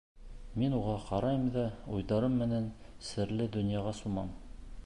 Мин уға ҡарайым да уйҙарым менән серле донъяға сумам.